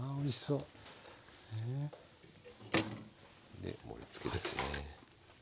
で盛りつけですね。